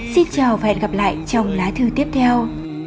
xin chào và hẹn gặp lại trong lá thư tiếp theo